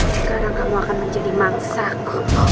sekarang kamu akan menjadi mangsa ku